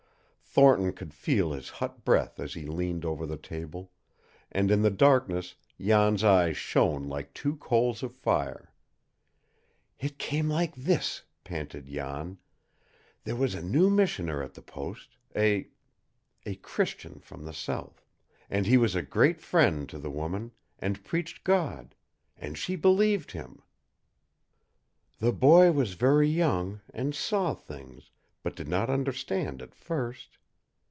Thornton could feel his hot breath as he leaned over the table, and in the darkness Jan's eyes shone like two coals of fire. "It came like THIS!" panted Jan. "There was a new missioner at the post a a Christian from the South, and he was a great friend to the woman, and preached God, and she BELIEVED him. The boy was very young, and saw things, but did not understand at first.